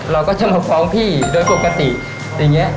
เราก็จะมาฟ้องพี่โดยปกติอย่างนี้